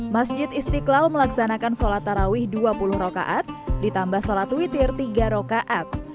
masjid istiqlal melaksanakan sholat tarawih dua puluh rokaat ditambah sholat witir tiga rokaat